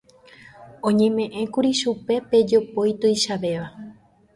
oñeme'ẽkuri chupe pe jopói tuichavéva